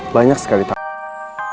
banyak sekali tanggung